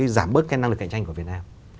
giảm bớt cái năng lực cạnh tranh của việt nam